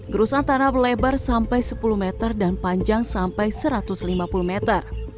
gerusan tanah melebar sampai sepuluh meter dan panjang sampai satu ratus lima puluh meter